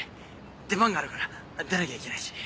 出番があるから出なきゃいけないし。